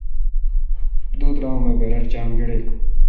دو ترا ام اے°برر چام گڑیل۔